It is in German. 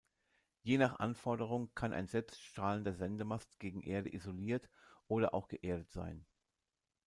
Je nach Anforderung kann ein selbststrahlender Sendemast gegen Erde isoliert oder auch geerdet sein.